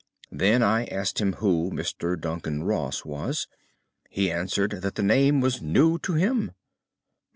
Then I asked him who Mr. Duncan Ross was. He answered that the name was new to him.